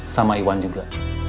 sama iwan juga